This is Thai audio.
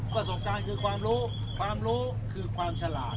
ประสบการณ์คือความรู้ความรู้คือความฉลาด